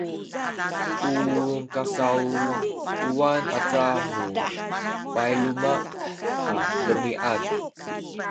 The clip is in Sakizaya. u kasaupuwan aca nu payluma’ a demiad